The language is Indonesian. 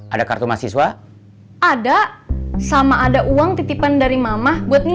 ada kartu mahasiswa ada sama ada uang titipan dari mama buat nih